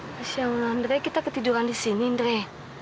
masya allah andre kita ketiduran di sini andre